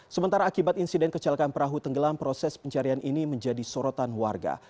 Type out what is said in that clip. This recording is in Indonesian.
sementara akibat insiden kecelakaan perahu tenggelam proses pencarian ini menjadi sorotan warga